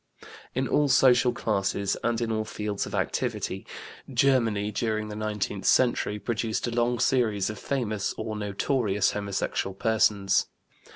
" In all social classes and in all fields of activity, Germany during the nineteenth century produced a long series of famous or notorious homosexual persons.